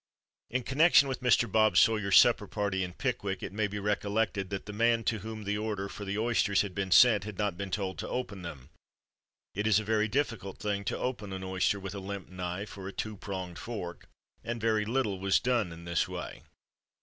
In connection with Mr. Bob Sawyer's supper party in Pickwick, it may be recollected that "the man to whom the order for the oysters had been sent had not been told to open them; it is a very difficult thing to open an oyster with a limp knife or a two pronged fork: and very little was done in this way."